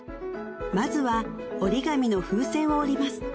まずは折り紙の風船を折ります